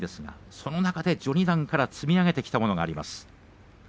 そうした中で序二段から積み上げてきたものがあります。